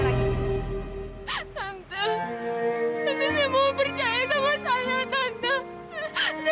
tapi saya mau percaya sama saya tante